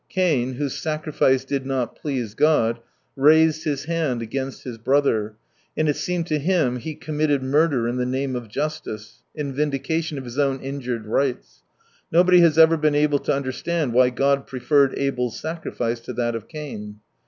Cain, whose sacrifice did not please God, raised his hand against his brother : and it seemed to him he committed murder in the name of justice, in vindication of his own injured rights. Nobody has ever been able to understand why God preferred Abel's sacrifice to that of Cain.